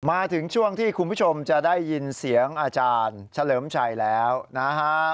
มาถึงช่วงที่คุณผู้ชมจะได้ยินเสียงอาจารย์เฉลิมชัยแล้วนะฮะ